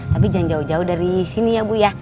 tapi jangan jauh jauh dari sini ya bu ya